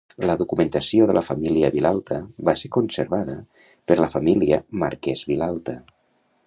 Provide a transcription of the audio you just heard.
La documentació de la família Vilalta va ser conservada per la família Marquès Vilalta.